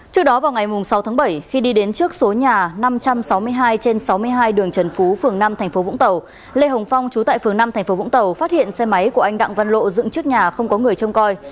trước đó vào ngày sáu tháng bảy khi đi đến trước số nhà năm trăm sáu mươi hai trên sáu mươi hai đường trần phú phường năm tp vũng tàu lê hồng phong chú tại phường năm tp vũng tàu phát hiện xe máy của anh đặng văn lộ dựng trước nhà không có người trông coi